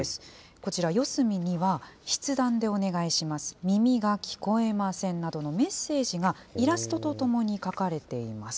こちら、四隅には、筆談でお願いします、耳が聞こえませんなどのメッセージがイラストと共に書かれています。